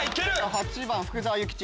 ８番福沢諭吉。